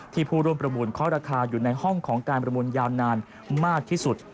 ผู้ร่วมประมูลเคาะราคาอยู่ในห้องของการประมูลยาวนานมากที่สุด